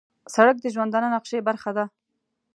سړک د ژوندانه نقشې برخه ده.